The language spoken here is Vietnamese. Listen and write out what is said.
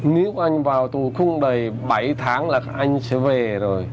nếu anh vào tù không đầy bảy tháng là anh sẽ về rồi